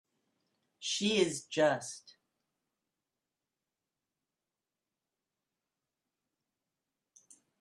She is just.